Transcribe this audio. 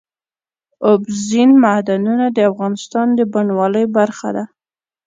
اوبزین معدنونه د افغانستان د بڼوالۍ برخه ده.